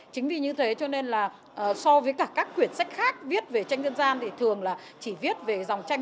chính vì như thế cho nên là so với cả các quyển sách khác viết về tranh dân gian thì thường là chỉ viết về dòng tranh